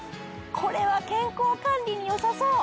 これは健康管理によさそう！